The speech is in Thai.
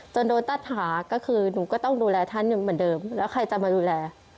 โดนตัดหาก็คือหนูก็ต้องดูแลท่านอย่างเหมือนเดิมแล้วใครจะมาดูแล